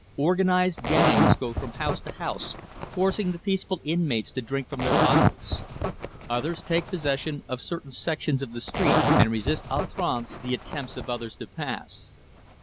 Organized gangs go from house to house forcing the peaceful inmates to drink from their bottles. Others take possession of certain sections of the street and resist "a l'outrance" the attempts of others to pass.